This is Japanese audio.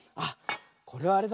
これはあれだね。